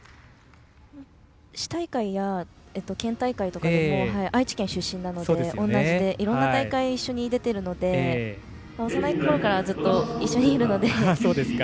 市の大会や県大会で同じ愛知で、いろんな大会一緒に出てるので幼いころからずっと一緒にいるので。